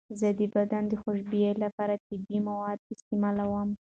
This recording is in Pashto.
زه د بدن د خوشبویۍ لپاره طبیعي مواد استعمالوم.